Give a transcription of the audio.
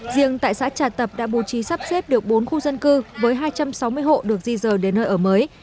riêng tại xã trà tập đã bố trí sắp xếp được bốn khu dân cư với hai trăm sáu mươi hộ được di dờ đến nơi ở mới